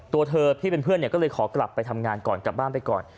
ตัวเธอที่เป็นเพื่อนก็เลยขอกลับไปทำงานก่อนกลับบ้านไปก่อน